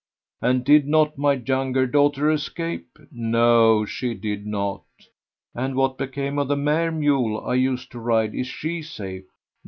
"And did not my younger daughter escape?"; "No, she did not!" "And what became of the mare mule I use to ride, is she safe?"